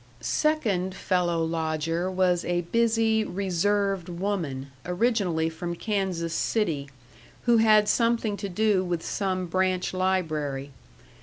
Second fellow lodger was a busy, reserved woman, originally from Kansas City, who had something to do with some branch library.